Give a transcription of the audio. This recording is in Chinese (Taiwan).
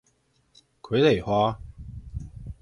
傀儡花